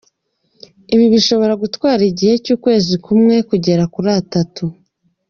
Ibi bishobora gutwara igihe cy’ukwezi kumwe kugeza kuri atatu.